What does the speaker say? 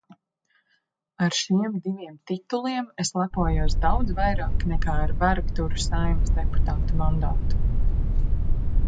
Ar šiem diviem tituliem es lepojos daudz vairāk nekā ar vergturu Saeimas deputāta mandātu.